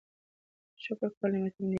شکر کول نعمتونه ډېروي.